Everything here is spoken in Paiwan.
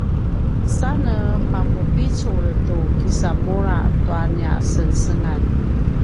sane papupiculi tu kisamulja tua nia sengsengan